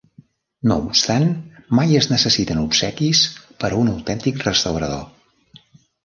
No obstant, mai es necessiten obsequis per a un autèntic restaurador.